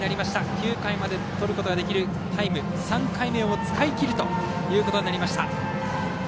９回までとることができるタイム３回目を使い切るということになりました。